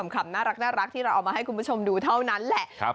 ขำขามเป็นคลิปขำน่ารักที่เราเอามาให้คุณผู้ชมดูเท่านั้นแหละ